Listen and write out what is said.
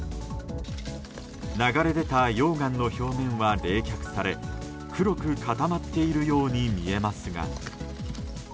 流れ出た溶岩の表面は冷却され黒く固まっているように見えますが。